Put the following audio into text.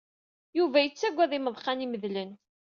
Yuba yettaggad imeḍqan imedlen.